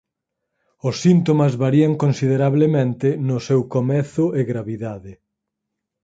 Os síntomas varían considerablemente no seu comezo e gravidade.